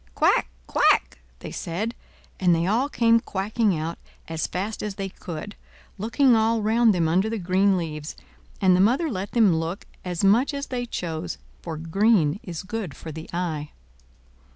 "Quack! quack!" they said; and they all came quacking out as fast as they could, looking all round them under the green leaves; and the mother let them look as much as they chose, for green is good for the eye.